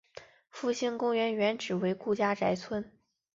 复兴公园原址为顾家宅村。